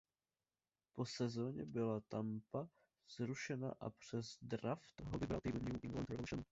Po sezoně byla Tampa zrušena a přes draft ho vybral tým New England Revolution.